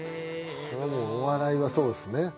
お笑いはそうですね。